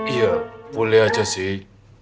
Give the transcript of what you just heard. iya boleh aja sih